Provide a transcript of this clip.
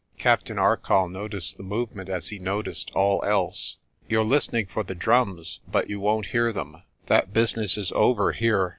Captain Arcoll noticed the movement as he noticed all else. "You're listening for the drums, but you won't hear them. That business is over here.